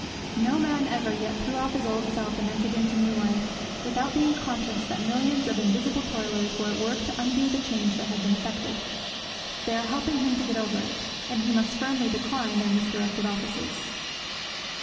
No man ever yet threw on his old self and entered into new life without being conscious that millions of invisible toilers were at work to undo the change that had been effected. They are helping him to get over it, and he must firmly decline their misdirected offices.